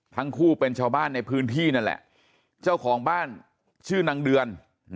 ทั้งคู่เป็นชาวบ้านในพื้นที่นั่นแหละเจ้าของบ้านชื่อนางเดือน